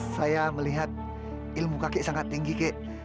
saya melihat ilmu kakek sangat tinggi kek